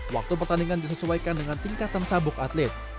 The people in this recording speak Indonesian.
waktu pertandingan disesuaikan dengan tingkatan sabuk atlet